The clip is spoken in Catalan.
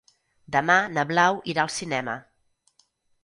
Demà na Blau irà al cinema.